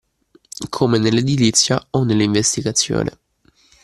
Come nell’edilizia o nell’investigazione